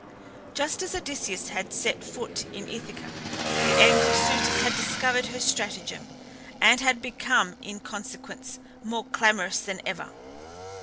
Just as Odysseus had set foot in Ithaca the angry suitors had discovered her stratagem, and had become in consequence more clamorous than ever.